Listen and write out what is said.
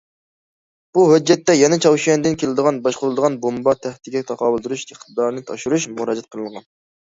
بۇ ھۆججەتتە يەنە چاۋشيەندىن كېلىدىغان باشقۇرۇلىدىغان بومبا تەھدىتىگە تاقابىل تۇرۇش ئىقتىدارىنى ئاشۇرۇش مۇراجىئەت قىلىنغان.